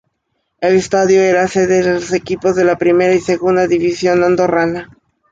El estadio era sede de los equipos de la Primera y Segunda división andorrana.